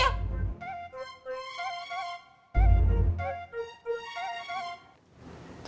kau mau pulang aja